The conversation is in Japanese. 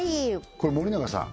これ森永さん